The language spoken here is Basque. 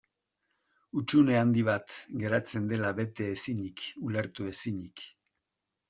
Hutsune handi bat geratzen dela bete ezinik, ulertu ezinik.